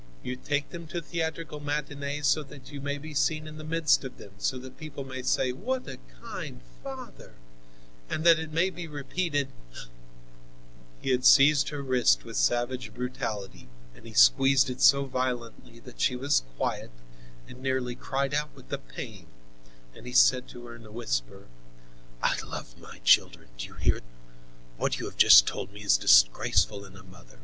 You take them to theatrical matinees so that you may be seen in the midst of them, so that the people may say: 'What a kind father' and that it may be repeated——" He had seized her wrist with savage brutality, and he squeezed it so violently that she was quiet and nearly cried out with the pain and he said to her in a whisper: "I love my children, do you hear? What you have just told me is disgraceful in a mother.